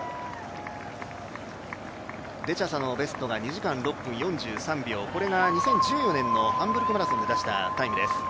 デチャサのベストが２時間６分４３秒これが２０１４年のハンブルクマラソンで出したタイムです。